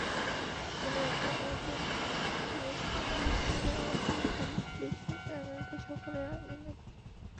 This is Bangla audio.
কোন একটা নূতন জিনিষ কোন দেশ থেকে আসুক দিকি, আমেরিকা সকলের আগে নেবে।